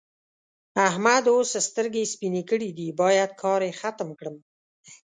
احمد اوس سترګې سپينې کړې دي؛ بايد کار يې ختم کړم.